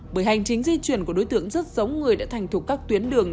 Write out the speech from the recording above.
bởi hành chính di chuyển của đối tượng rất giống người đã thành thuộc các tuyến đường